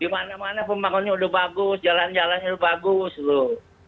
di mana mana pembangunannya udah bagus jalan jalannya udah bagus loh